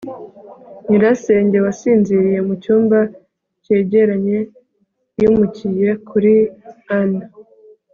nyirasenge wasinziriye mucyumba cyegeranye. yimukiye kuri an